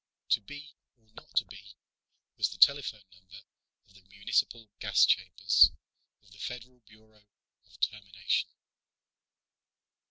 "To be or not to be" was the telephone number of the municipal gas chambers of the Federal Bureau of Termination.